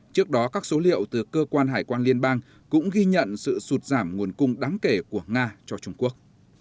trước đó các số liệu từ cơ quan hải quan liên bang cũng ghi nhận sự sụt giảm nguồn cung đáng kể của nga cho trung quốc